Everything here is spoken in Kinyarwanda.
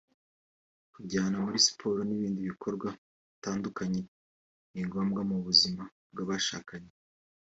kujyana muri siporo n’ibindi bikorwa bitandukanye ni ngombwa mu buzima bw’abashakanye